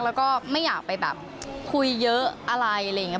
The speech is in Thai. แล้วก็ไม่อยากไปแบบคุยเยอะอะไรอะไรอย่างนี้